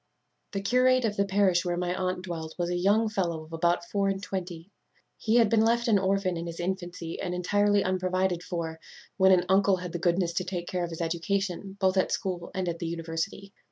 _ "The curate of the parish where my aunt dwelt was a young fellow of about four and twenty. He had been left an orphan in his infancy, and entirely unprovided for, when an uncle had the goodness to take care of his education, both at school and at the university.